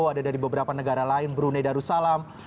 ada dari beberapa negara lain brunei darussalam